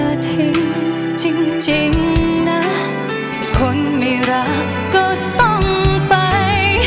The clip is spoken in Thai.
ไม่โทษที่เธอทิ้งจริงนะคนไม่รักก็ต้องไป